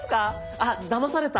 あっだまされた。